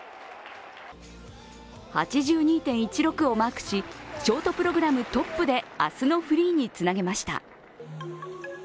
８２．１６をマークしショートプログラムトップで明日のフリーにつなげました。